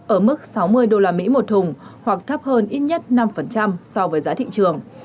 ở mức sáu mươi đô la mỹ một thùng hoặc thấp hơn ít nhất năm so với giá thị trường